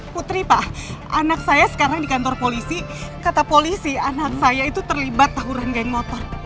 putri pak anak saya sekarang di kantor polisi kata polisi anak saya itu terlibat tawuran geng motor